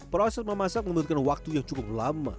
proses memasak membutuhkan waktu yang cukup lama